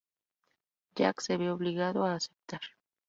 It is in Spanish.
Jack se ve obligado a aceptar.